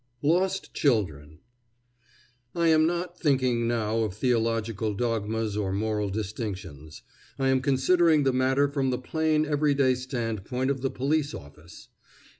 LOST CHILDREN I am not thinking now of theological dogmas or moral distinctions. I am considering the matter from the plain every day standpoint of the police office.